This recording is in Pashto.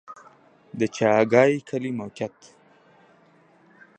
د چاګای کلی موقعیت